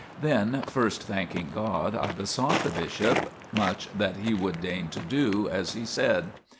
Then, first thanking God, I besought the bishop much that he would deign to do as he said.